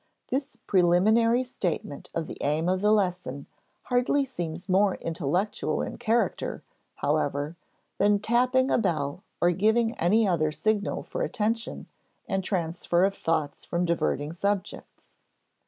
This preliminary statement of the aim of the lesson hardly seems more intellectual in character, however, than tapping a bell or giving any other signal for attention and transfer of thoughts from diverting subjects.